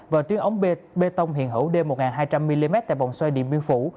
và tuyên ống bê tông hiện hữu d một nghìn hai trăm linh mm tại bọn xoay điện biên phủ